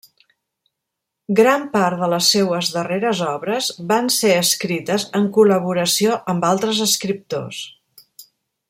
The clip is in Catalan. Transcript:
Gran part de les seues darreres obres van ser escrites en col·laboració amb altres escriptors.